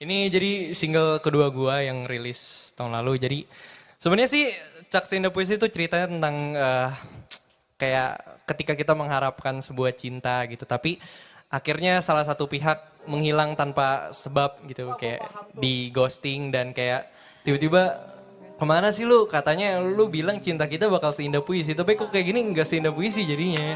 ini jadi single kedua gua yang rilis tahun lalu jadi sebenarnya sih cak seindah puisi itu ceritanya tentang kayak ketika kita mengharapkan sebuah cinta gitu tapi akhirnya salah satu pihak menghilang tanpa sebab gitu kayak di ghosting dan kayak tiba tiba kemana sih lu katanya lu bilang cinta kita bakal seindah puisi tapi kok kayak gini enggak seindah puisi jadinya